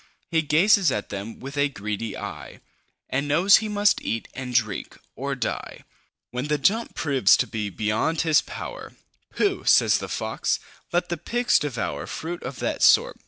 He gazes at them with a greedy eye, And knows he must eat and drink or die. When the jump proves to be beyond his power "Pooh!" says the Fox. "Let the pigs devour Fruit of that sort.